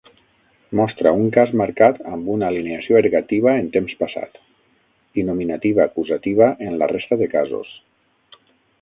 Mostra un cas marcat amb una alineació ergativa en temps passat, i nominativa-acusativa en la resta de casos.